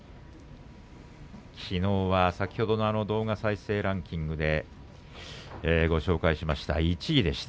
きのうは先ほどの動画再生ランキングでご紹介した１位でした。